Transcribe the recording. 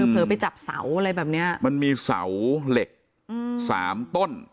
เผลอไปจับเสาอะไรแบบเนี้ยมันมีเสาเหล็กอืมสามต้น